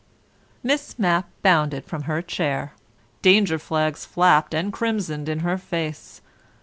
Miss Mapp bounded from her chair. Danger flags flapped and crimsoned in her face.